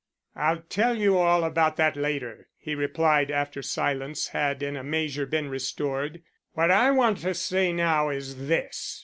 "I'll tell you all about that later," he replied, after silence had in a measure been restored. "What I want to say now is this.